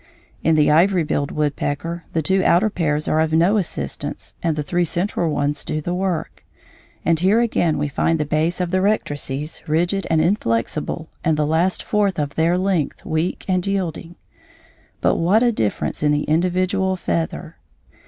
In the ivory billed woodpecker the two outer pairs are of no assistance and the three central ones do the work, and here again we find the base of the rectrices rigid and inflexible and the last fourth of their length weak and yielding. But what a difference in the individual feather!